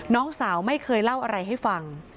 น้องสาวไม่เคยเล่าอะไรให้ฟัง